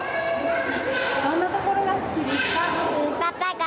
どんなところが好きですか。